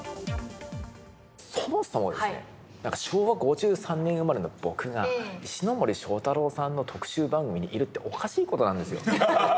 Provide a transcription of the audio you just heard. そもそもですね昭和５３年生まれの僕が石森章太郎さんの特集番組にいるっておかしい事なんですよ。